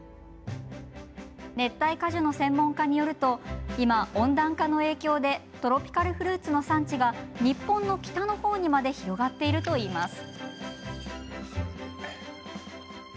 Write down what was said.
熱帯果樹の専門家によると今、温暖化の影響でトロピカルフルーツの産地が日本の北の方にまで広がっているといいます。